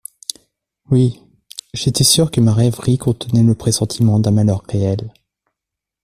Oui, j'étais sûre que ma rêverie contenait le pressentiment d'un malheur réel.